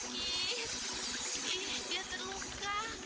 ih dia terluka